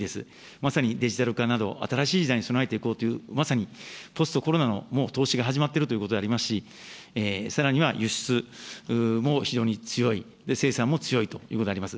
まさにデジタル化など新しい時代に備えていこうという、まさにポストコロナのもう投資が始まっているということでございますし、さらには輸出も非常に強い、生産も強いということであります。